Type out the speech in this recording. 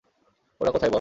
ওরা কোথায় বল!